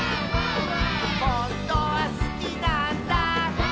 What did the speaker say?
「ほんとはすきなんだ」